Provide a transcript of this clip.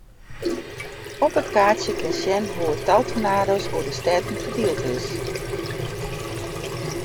Op dit kaartsje kinst sjen hoe't it tal tornado's oer de steaten ferdield is.